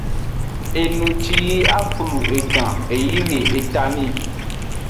Enu ci yi a flu edan, e yi le eta nii.